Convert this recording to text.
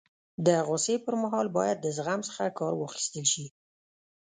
د غوصي پر مهال باید د زغم څخه کار واخستل سي.